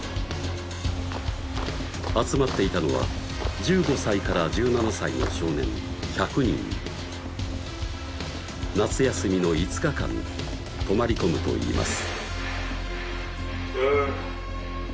集まっていたのは１５歳から１７歳の少年１００人夏休みの５日間泊まり込むといいます